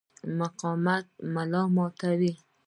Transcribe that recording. د مقاومت ملا ماتوي.